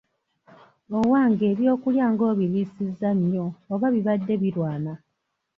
Owange eby’okulya nga obirwisizza nnyo oba bibadde birwana?